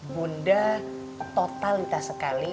bunda totalitas sekali